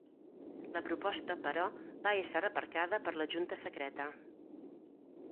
La proposta, però, va ésser aparcada per la Junta Secreta.